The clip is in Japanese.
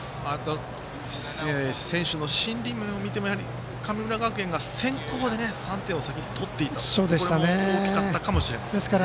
選手の心理面を見ても神村学園が先攻で３点を先に取っていたこれも大きかったかもしれません。